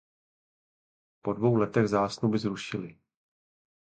Po dvou letech zásnuby zrušily.